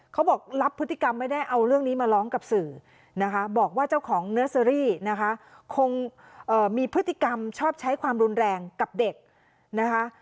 เขาบอกรับพฤติกรรมไม่ได้เอาเรื่องนี้มาร้องกับสื่อนะคะบอกว่าเจ้าของเนอร์เซอรี่นะคะคงมีพฤติกรรมชอบใช้ความรุนแรงกับเด็กนะคะ